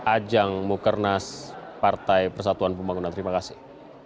ajang mukernas partai persatuan pembangunan terima kasih